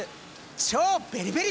超ベリベリ